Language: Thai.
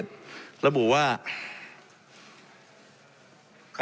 ในระดับบวก